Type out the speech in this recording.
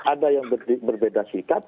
ada yang berbeda sikap